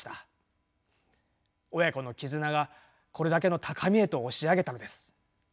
親子の絆がこれだけの高みへと押し上げたのです。